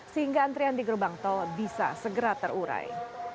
sehingga antrian di gerbang tol bisa segera terurai